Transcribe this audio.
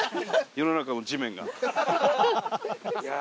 世の中の地面が。